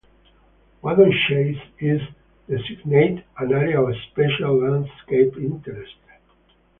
Whaddon Chase is designated an area of 'Special Landscape Interest'.